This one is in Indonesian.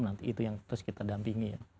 nanti itu yang terus kita dampingi ya